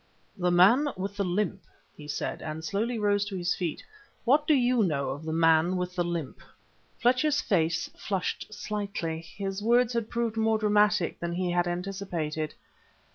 "'The man with the limp,'" he said, and slowly rose to his feet "what do you know of the man with the limp?" Fletcher's face flushed slightly; his words had proved more dramatic than he had anticipated.